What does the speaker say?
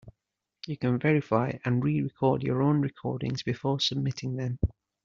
You can verify and re-record your own recordings before submitting them.